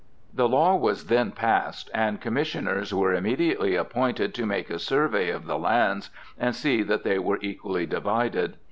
The law was then passed, and commissioners were immediately appointed to make a survey of the lands and see that they were equally divided.